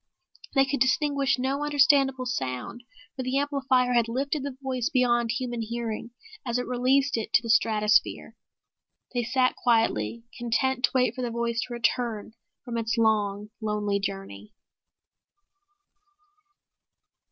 They could distinguish no understandable sound for the amplifier had lifted the voice beyond human hearing as it released it to the stratosphere. They sat quietly, content to wait for the voice to return from its long, lonely journey.